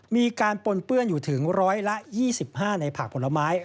ปนเปื้อนอยู่ถึง๑๒๕ในผักผลไม้